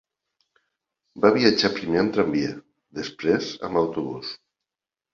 Va viatjar primer amb tramvia, després amb autobús